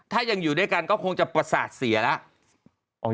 ถ้ายังอยู่ด้วยกันก็คงจะประสาทเสียแล้ว